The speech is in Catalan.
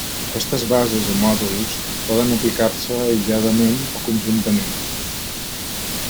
Aquestes bases o mòduls poden aplicar-se aïlladament o conjuntament.